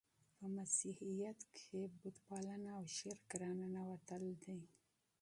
په مسیحیت کښي بت پالنه او شرک راننوتل دي.